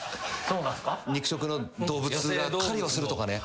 肉食の動物が狩りをするとかね。